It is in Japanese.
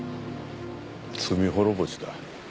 罪滅ぼしだ。